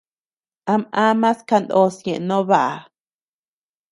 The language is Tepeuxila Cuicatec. Am amas kanós ñeʼe no baʼa.